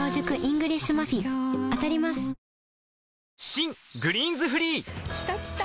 新「グリーンズフリー」きたきた！